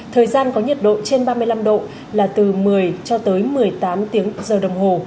thời gian có nhiệt độ trên ba mươi năm độ là từ một mươi cho tới một mươi tám tiếng giờ đồng hồ